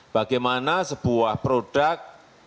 bagaimana sebuah produk